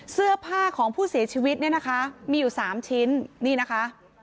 เสื้อผ้าของผู้เสียชีวิตเนี่ยนะคะมีอยู่๓ชิ้นนี่นะคะ